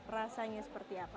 rasanya seperti apa